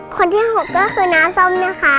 คนที่๖คือน้าส้ม